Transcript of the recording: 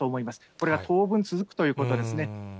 これは当分続くということですね。